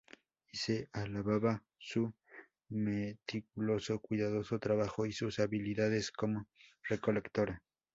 Y se alababa su meticuloso, cuidadoso trabajo y sus habilidades como recolectora.